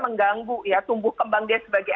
mengganggu ya tumbuh kembang dia sebagai